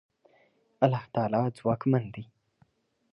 الله ځواکمن دی.